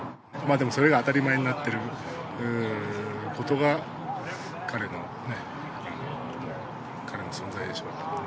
でもそれが当たり前になってることが、彼の存在でしょうね。